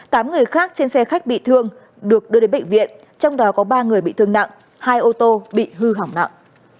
tám người khác trên xe khách bị thương được đưa đến bệnh viện trong đó có ba người bị thương nặng hai ô tô bị hư hỏng nặng